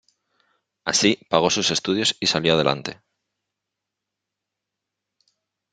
Así pagó sus estudios y salió adelante.